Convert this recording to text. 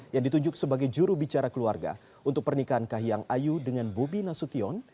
yang ditunjuk sebagai jurubicara keluarga untuk pernikahan kahiyang ayu dengan bobi nasution